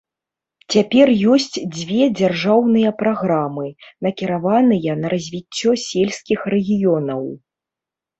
Цяпер ёсць дзве дзяржаўныя праграмы, накіраваныя на развіццё сельскіх рэгіёнаў.